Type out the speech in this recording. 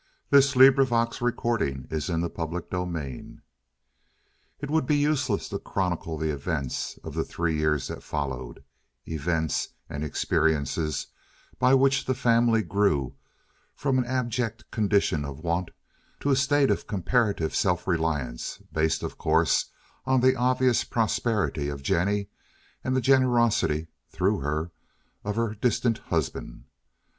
Yes, even Gerhardt was satisfied. CHAPTER XXVI It would be useless to chronicle the events of the three years that followed—events and experiences by which the family grew from an abject condition of want to a state of comparative self reliance, based, of course, on the obvious prosperity of Jennie and the generosity (through her) of her distant husband.